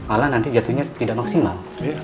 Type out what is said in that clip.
ala nanti jatuhnya tidak maksimal